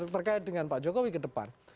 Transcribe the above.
terkait dengan pak jokowi kedepan